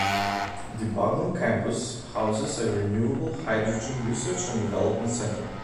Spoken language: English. The Baglan campus houses a Renewable Hydrogen Research and Development Centre.